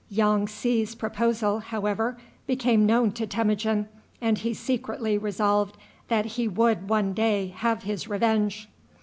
Yong tsi's proposal, however, became known to Temujin, and he secretly resolved that he would one day have his revenge.